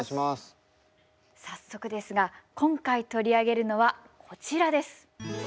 早速ですが今回取り上げるのはこちらです。